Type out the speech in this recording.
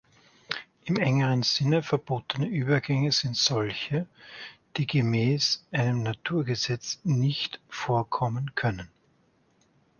Im engeren Sinn verbotene Übergänge sind solche, die gemäß einem Naturgesetz nicht vorkommen können.